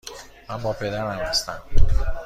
من با پدرم هستم.